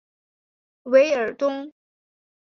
韦尔东。